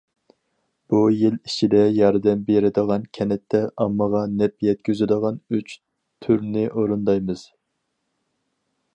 بۇ يىل ئىچىدە ياردەم بېرىدىغان كەنتتە ئاممىغا نەپ يەتكۈزىدىغان ئۈچ تۈرنى ئورۇندايمىز.